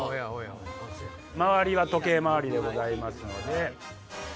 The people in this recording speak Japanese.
回りは時計回りでございますので。